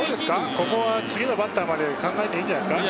ここは次のバッターまで考えていいんじゃないですか。